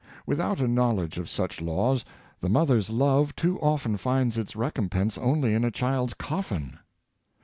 Without a knowl edge of such laws, the mother's love too often finds its recompense only in a child's coffin.